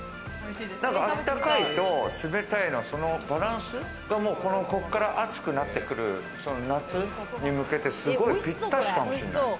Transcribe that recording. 何か温かいと冷たいのバランスがここから暑くなって来る夏に向けてすごいぴったしかもしんない。